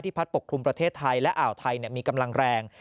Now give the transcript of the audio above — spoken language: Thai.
พัดปกคลุมประเทศไทยและอ่าวไทยมีกำลังแรง